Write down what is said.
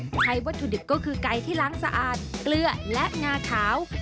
ใช้วัตถุดิบก็คือไก่ที่ล้างสะอาดเกลือและงาขาว